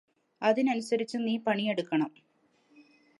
അതിനനുസരിച്ച് നീ പണിയെടുക്കണം